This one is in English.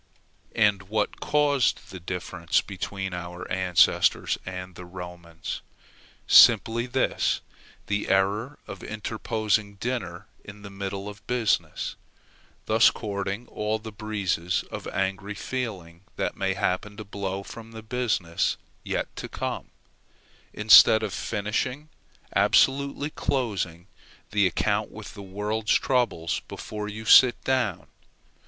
And what caused the difference between our ancestors and the Romans? Simply this the error of interposing dinner in the middle of business, thus courting all the breezes of angry feeling that may happen to blow from the business yet to come, instead of finishing, absolutely closing, the account with this world's troubles before you sit down.